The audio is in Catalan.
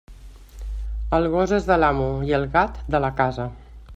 El gos és de l'amo, i el gat, de la casa.